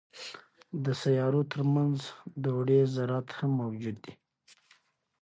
د سیارو ترمنځ دوړې ذرات هم موجود دي.